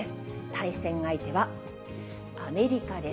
対戦相手はアメリカです。